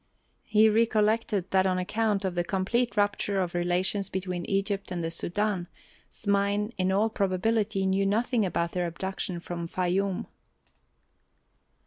He recollected that on account of the complete rupture of relations between Egypt and the Sudân, Smain in all probability knew nothing about their abduction from Fayûm.